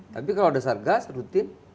tapi kalau dasar gas rutin